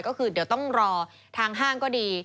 ก็คือเดี๋ยวต้องรอทางห้างก็ดี